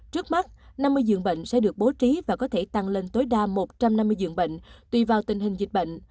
trước mắt năm mươi giường bệnh sẽ được bố trí và có thể tăng lên tối đa một trăm năm mươi dường bệnh tùy vào tình hình dịch bệnh